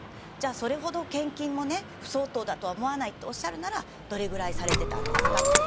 それほど献金も不相当だと思わないというならどれぐらいされてたんですか。